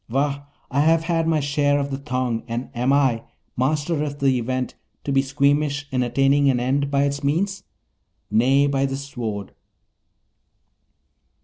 Wah! I have had my share of the thong, and am I, Master of the Event, to be squeamish in attaining an end by its means? Nay, by this Sword!'